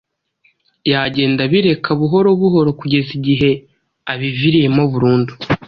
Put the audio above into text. yagenda abireka buhorobuhoro kugeza igihe abiviriyeho burundu.